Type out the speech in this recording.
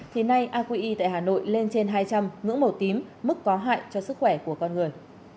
thì nay aqi tại hà nội lên trên hai trăm linh ngưỡng màu tím mức có hại cho sức khỏe của con người